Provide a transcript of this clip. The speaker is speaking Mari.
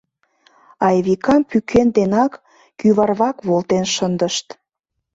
Айвикам пӱкен денак кӱварвак волтен шындышт.